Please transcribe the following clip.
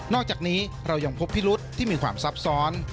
อกจากนี้เรายังพบพิรุษที่มีความซับซ้อน